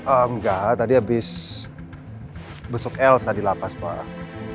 enggak tadi abis besok elsa dilapas pak